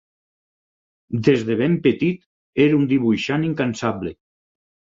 Des de ben petit era un dibuixant incansable.